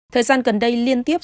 thời gian gần đây liên tiếp